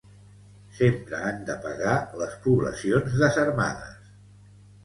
Sempre han de pagar les poblacions desarmades.